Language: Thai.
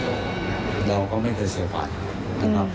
อืมเราก็ไม่เคยเสียฝันนะครับอืม